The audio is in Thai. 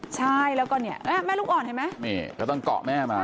ใช่แล้วก็เนี่ยแม่ลูกอ่อนเห็นไหมนี่ก็ต้องเกาะแม่มา